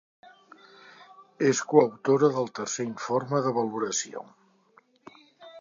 És coautora del Tercer Informe de Valoració.